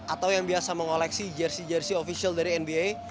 atau yang biasa mengoleksi jersey jersey official dari nba